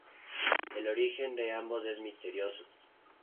El origen de ambos es misterioso.